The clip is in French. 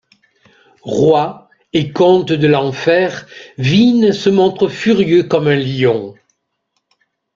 Roi et comte de l'enfer, Vine se montre furieux comme un lion.